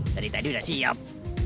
tadi tadi udah siap